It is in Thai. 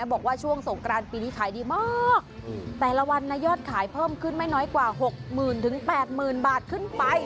บอกว่าช่วงสงกรานปีนี้ขายดีมากแต่ละวันนะยอดขายเพิ่มขึ้นไม่น้อยกว่าหกหมื่นถึง๘๐๐๐บาทขึ้นไป